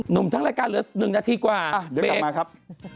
หนุ่มทางรายการเหลือ๑นาทีกว่าเดี๋ยวกลับมาครับ